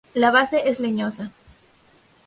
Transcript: La base es leñosa.